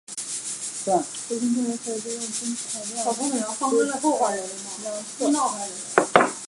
轴心偏移可以利用针盘量规来量测。